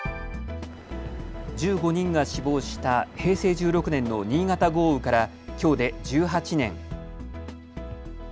１５人が死亡した平成１６年の新潟豪雨から、きょうで１８年。